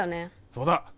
そうだ。